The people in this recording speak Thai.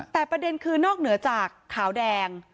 แต่ประเด็นคือนอกเหนือจากขาวแดง